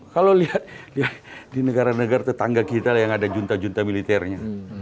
kalau lihat di negara negara tetangga kita yang ada junta junta militernya